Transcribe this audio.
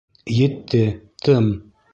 Етте, тым!